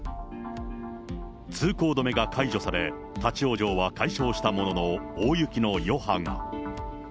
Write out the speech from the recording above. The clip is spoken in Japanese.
通行止めが解除され、立往生は解消したものの大雪の余波が。